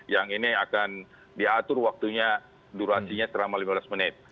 yang ini akan diatur waktunya durasinya selama lima belas menit